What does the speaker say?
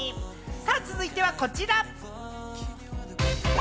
続いてはこちら。